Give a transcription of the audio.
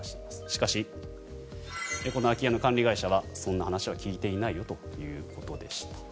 しかし、この空き家の管理会社はそんな話は聞いてないよということでした。